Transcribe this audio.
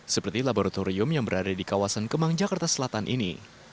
seperti laboratorium yang berada di kawasan kemang jakarta selatan ini